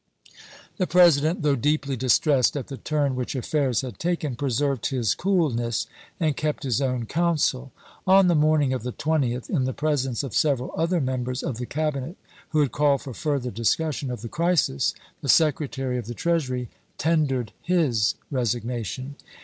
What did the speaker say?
The President, though deeply distressed at the turn which affairs had taken, preserved his cool ness and kept his own counsel. On the morning of the 20th, in the presence of several other members Dec, 1862. of the Cabinet who had called for further discus sion of the crisis, the Secretary of the Treasury tendered his resignation.